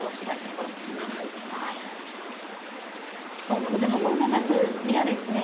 同歩でも５七歩嫌ですね。